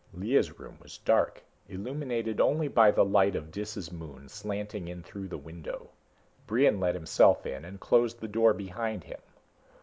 Lea's room was dark, illuminated only by the light of Dis's moon slanting in through the window. Brion let himself in and closed the door behind him.